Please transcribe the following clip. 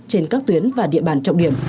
trên các tuyến và địa bàn trọng điểm